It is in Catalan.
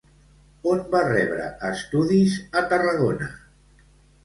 On va rebre estudis a Tarragona?